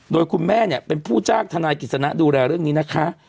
โดยคุณแม่เนี่ยเป็นผู้จ้างทนายกิจสนะดูแลเรื่องนี้นะคะ